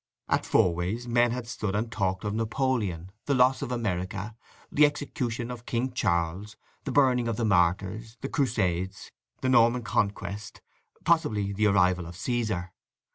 At Fourways men had stood and talked of Napoleon, the loss of America, the execution of King Charles, the burning of the Martyrs, the Crusades, the Norman Conquest, possibly of the arrival of Caesar.